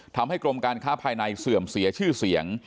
ทำให้กรมการค้าภายในเสื่อมเสียชื่อเสียง